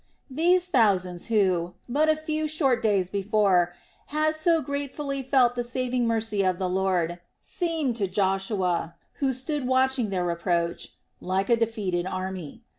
These thousands who, but a few short days before, had so gratefully felt the saving mercy of the Lord, seemed to Joshua, who stood watching their approach, like a defeated army.